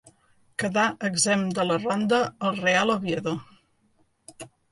Quedà exempt de la ronda el Real Oviedo.